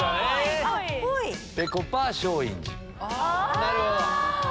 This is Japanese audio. なるほど。